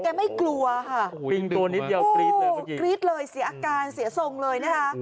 แกไม่กลัวค่ะกรี๊ดเลยเสียอาการเสียทรงเลยนะฮะ